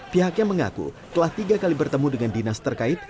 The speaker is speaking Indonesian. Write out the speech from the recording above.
pihaknya mengaku telah tiga kali bertemu dengan dinas terkait